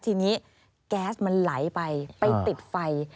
ทีนี้แก๊สมันไหลไปไปติดไฟ